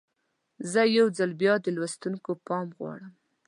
زه یو ځل بیا د لوستونکو پام غواړم.